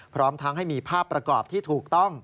พร้อมทั้งให้มีภาพประกอบที่ถูกต้อง